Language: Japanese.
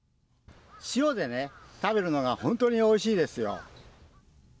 塩でね、食べるのが本当においしいですよ。